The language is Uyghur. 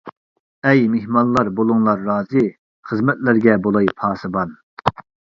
ئەي مېھمانلار بولۇڭلار رازى، خىزمەتلەرگە بولاي پاسىبان!